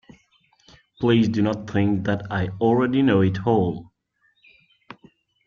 Please do not think that I already know it all.